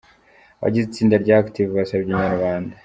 Abagize itsinda rya Active basabye Inyarwanda.